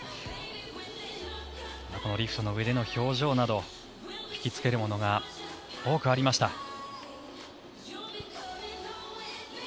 リフトの上での表情など引きつけるものが多くありました。